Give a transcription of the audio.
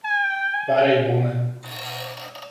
Paraibuna